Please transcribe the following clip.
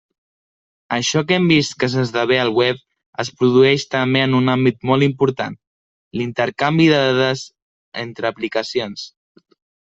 Això que hem vist que s'esdevé al web es produeix també en un àmbit molt important: l'intercanvi de dades entre aplicacions.